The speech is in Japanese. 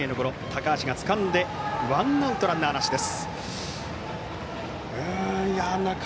高橋がつかんでワンアウト、ランナーなしです。